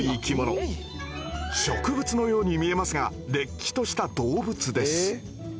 植物のように見えますがれっきとした動物です。